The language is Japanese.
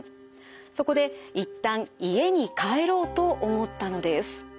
そこでいったん家に帰ろうと思ったのです。